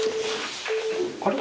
あれ？